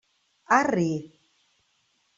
Arri!